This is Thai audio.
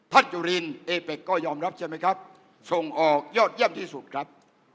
จุลินเอเป็กก็ยอมรับใช่ไหมครับส่งออกยอดเยี่ยมที่สุดครับ